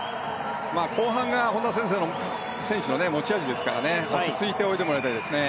後半が本多選手の持ち味ですから落ち着いて泳いでもらいたいですね。